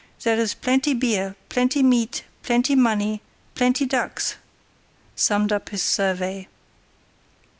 "There is plenty beer, plenty meat, plenty money, plenty ducks," summed up his survey.